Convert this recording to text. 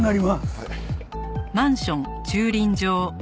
はい。